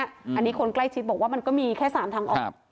อันนี้คนใกล้ชิดบอกว่ามันก็มีแค่๓ทางออก